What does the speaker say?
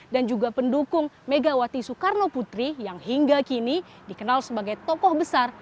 dan juga pendukung megawati soekarno putri yang hingga kini dikenal sebagai tokoh besar